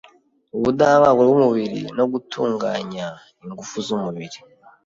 ubudahangarwa bw’umubiri no gutunganya ingufu z’umubiri